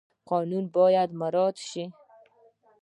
قانون باید مراعات شي